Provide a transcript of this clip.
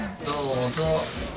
どうぞ。